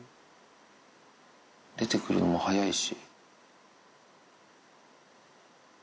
出てくるのも早いし。